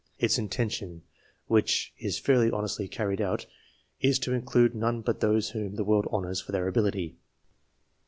Its intention, which is very fairly and honestly carried out, is to include none but those whom the world honours for their ability.